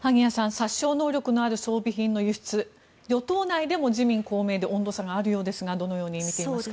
殺傷能力のある装備品の輸出与党内でも自民・公明で温度差があるようですがどのように見ていますか。